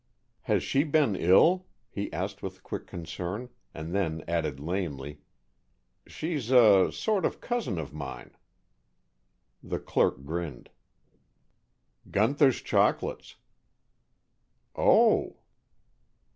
"Has she been ill?" he asked with quick concern, and then added lamely, "She's a sort of cousin of mine." The clerk grinned. "Gunther's chocolates." "Oh!"